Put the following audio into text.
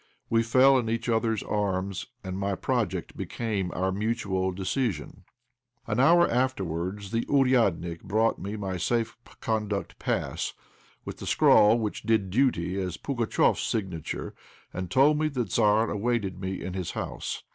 We fell in each other's arms, and my project became our mutual decision. An hour afterwards the "ouriadnik" brought me my safe conduct pass, with the scrawl which did duty as Pugatchéf's signature, and told me the Tzar awaited me in his house.